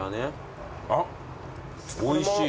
あっおいしい。